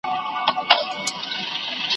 خوار چي موړ سي مځکي ته نه ګوري `